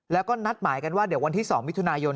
แล้วก็นัดหมายกันว่าเดี๋ยววันที่๒มิถุนายน